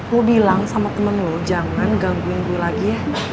aku bilang sama temen lo jangan gangguin gue lagi ya